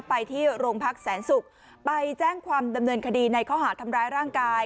ไปที่โรงพักแสนศุกร์ไปแจ้งความดำเนินคดีในข้อหาดทำร้ายร่างกาย